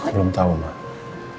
belum tau mbak